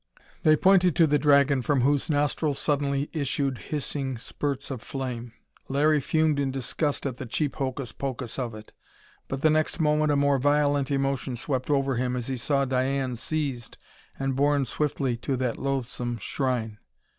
They pointed to the dragon, from whose nostrils suddenly issued hissing spurts of flame. Larry fumed in disgust at the cheap hocus pocus of it but the next moment a more violent emotion swept over him as he saw Diane seized and borne swiftly to that loathsome shrine.